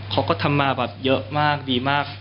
เขาก็ทำมาแบบเยอะมากดีมาก